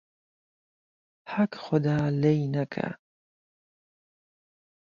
ههک خودا لێی نهکا